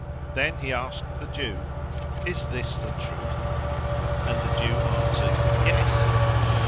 Then he asked the Jew, "Is this the truth?"; and the Jew answered, "Yes."